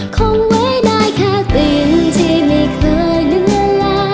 คงไว้ได้แค่กลิ่นที่ไม่เคยเหลือลา